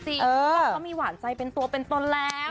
เขามีหวานใจเป็นตัวเป็นตนแล้ว